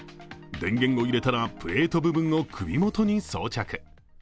電源を入れたらプレート部分を首元に装着。